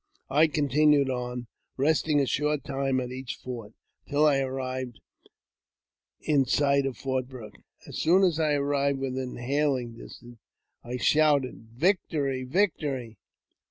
I continued on, resting a short time at each fort, until I arrived in sight of Fort I Brooke. As soon as I arrived within hailing distance, I shouted " Victory ! victory